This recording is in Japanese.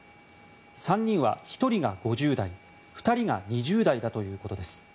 ３人は１人が５０代２人が２０代だということです。